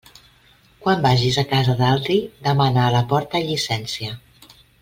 Quan vagis a casa d'altri, demana a la porta llicència.